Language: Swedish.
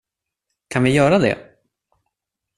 Kan vi göra det?